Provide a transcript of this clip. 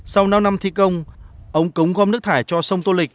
sau năm năm thi công ống cống gom nước thải cho sông tô lịch